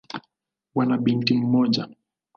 Wana binti mmoja.